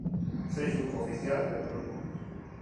Facebook oficial del grupo